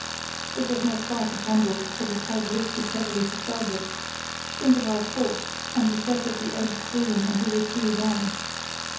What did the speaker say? (It was not far to tumble, for the tug listed heavily to starboard; think of our course, and the set of the ebb stream, and you will see why.)